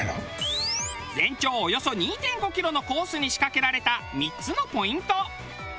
全長およそ２．５キロのコースに仕掛けられた３つのポイント。